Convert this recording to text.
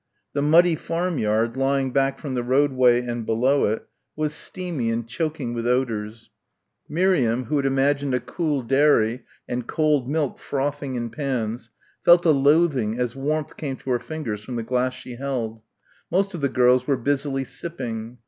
The muddy farmyard, lying back from the roadway and below it, was steamy and choking with odours. Miriam who had imagined a cool dairy and cold milk frothing in pans, felt a loathing as warmth came to her fingers from the glass she held. Most of the girls were busily sipping.